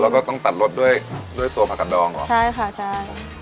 แล้วก็ต้องตัดรสด้วยด้วยตัวผักกันดองเหรอใช่ค่ะใช่